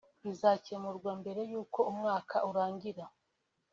bizacyemurwa mbere y’uko umwaka urangira